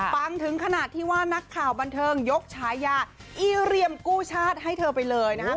ถึงขนาดที่ว่านักข่าวบันเทิงยกฉายาอีเรียมกู้ชาติให้เธอไปเลยนะครับ